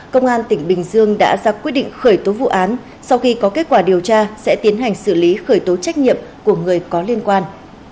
công an tỉnh bình dương đã ra quyết định khởi tố vụ án sau khi có kết quả điều tra sẽ tiến hành xử lý khởi tố trách nhiệm của người có liên quan